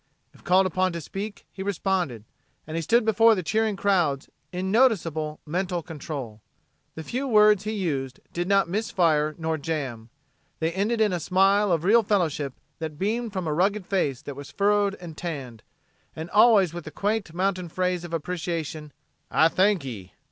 If called upon to speak, he responded; and he stood before the cheering crowds in noticeable mental control. The few words he used did not misfire nor jam. They ended in a smile of real fellowship that beamed from a rugged face that was furrowed and tanned, and always with the quaint mountain phrase of appreciation, "I thank ye!"